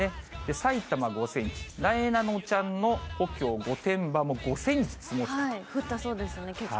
さいたま５センチ、なえなのちゃんの故郷、御殿場も５センチ積も降ったそうですね、結構。